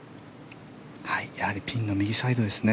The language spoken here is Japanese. やはりピンの右サイドですね。